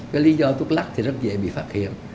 cái lý do thuốc lắc thì rất dễ bị phát hiện